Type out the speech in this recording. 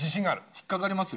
引っかかりますよ。